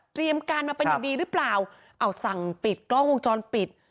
การมาเป็นอย่างดีหรือเปล่าเอาสั่งปิดกล้องวงจรปิด